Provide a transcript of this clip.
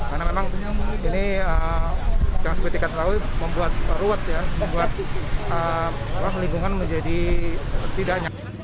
karena memang ini yang sebetulnya membuat ruwet membuat ruang lingkungan menjadi tidak nyangka